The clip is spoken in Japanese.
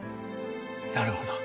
なるほど。